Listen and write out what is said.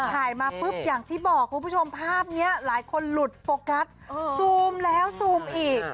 ถ่ายมาปุ๊บอย่างที่บอกคุณผู้ชมภาพนี้หลายคนหลุดโฟกัสซูมแล้วซูมอีก